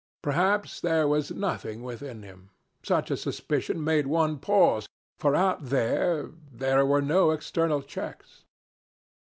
Perhaps there was nothing within him. Such a suspicion made one pause for out there there were no external checks.